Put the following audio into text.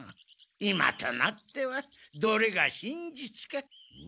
今となってはどれが真実か。